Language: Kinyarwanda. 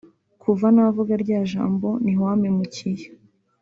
kuva navuga rya jambo ntiwampemukiye